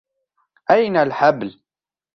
أين الحبل ؟